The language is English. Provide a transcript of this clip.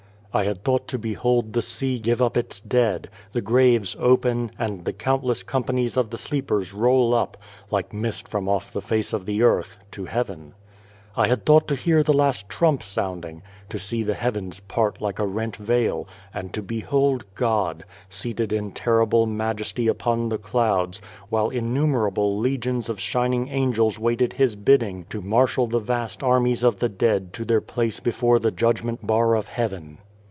I had thought to behold the sea give up its dead, the graves open, and the count less companies of the sleepers roll up like mist from off the face of the earth to heaven. I had thought to hear the Last Trump sound ing ; to see the heavens part like a rent veil ; and to behold God, seated in terrible majesty upon the clouds, while innumerable legions of shining angels waited His bidding to marshal the vast armies of the dead to their place before the judgment bar of heaven.